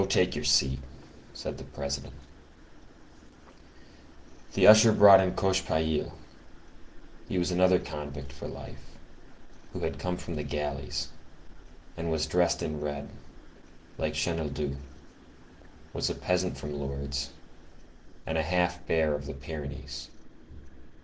"Go take your seat," said the President. The usher brought in Cochepaille. He was another convict for life, who had come from the galleys, and was dressed in red, like Chenildieu, was a peasant from Lourdes, and a half bear of the Pyrenees.